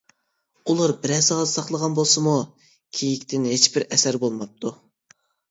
ئۇلار بىرەر سائەت ساقلىغان بولسىمۇ، كېيىكتىن ھېچبىر ئەسەر بولماپتۇ.